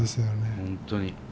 本当に。